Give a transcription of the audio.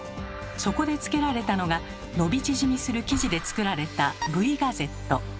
そこでつけられたのが伸び縮みする生地で作られた「Ｖガゼット」。